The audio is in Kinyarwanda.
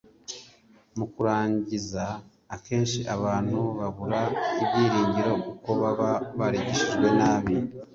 Mu kurangiza , akenshi abantu babura ibyiringiro kuko baba barigishijwe nabi